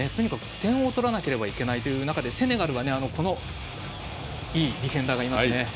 点を取らなきゃいけないという中でセネガルはいいディフェンダーがいますね。